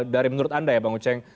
dari menurut anda ya bang uceng